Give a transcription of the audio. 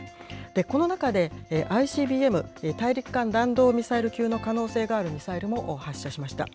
この中で、ＩＣＢＭ・大陸間弾道ミサイル級の可能性があるミサイルも発射しました。